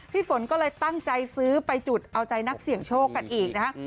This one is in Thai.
ฝนก็เลยตั้งใจซื้อไปจุดเอาใจนักเสี่ยงโชคกันอีกนะฮะ